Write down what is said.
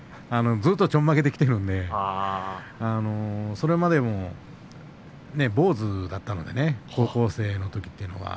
ずっと、ちょんまげできたのでそれまでも坊主だったので高校生のときは。